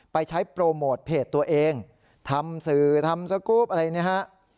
ไปใช้โปรโมทเพจตัวเองทำสื่อทำสกรูปอะไรนะฮะ